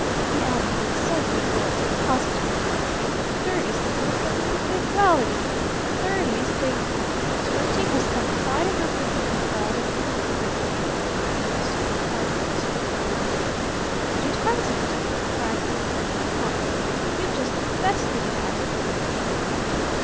he added with sudden exultant positiveness. "Thirty's the birth of individuality! Thirty's the " "Twenty has got quite enough individuality for me, thank you!" asserted Barton with some curtness. "But it hasn't!" cried the Older Man hotly. "You've just confessed that it hasn't!"